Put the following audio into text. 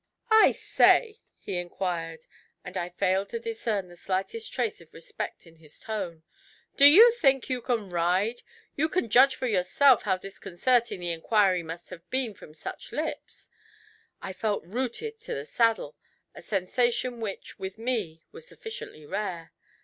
'I say,' he inquired, and I failed to discern the slightest trace of respect in his tone 'do you think you can ride?' You can judge for yourself how disconcerting the inquiry must have been from such lips: I felt rooted to the saddle a sensation which, with me, was sufficiently rare.